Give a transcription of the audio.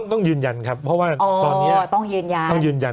ต้องยืนยันครับเพราะว่าตอนนี้ต้องยืนยัน